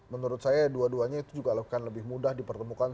menurut saya dua duanya itu juga akan lebih mudah dipertemukan